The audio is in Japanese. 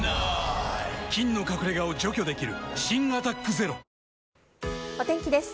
菌の隠れ家を除去できる新「アタックＺＥＲＯ」お天気です。